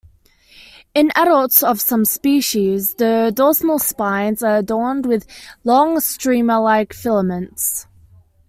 In adults of some species, the dorsal spines are adorned with long, streamer-like filaments.